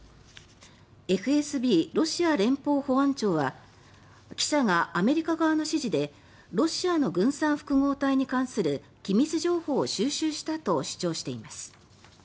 ＦＳＢ・ロシア連邦保安庁は記者がアメリカ側の指示でロシアの軍産複合体に関する機密情報を収集したと主張しています。